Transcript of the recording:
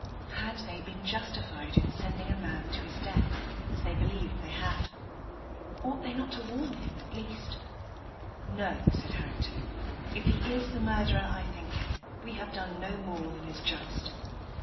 Had they been justified in sending a man to his death, as they believed they had? Ought they not to warn him, at least? 'No,' said Harrington; 'if he is the murderer I think him, we have done no more than is just.